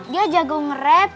dia jago ngerap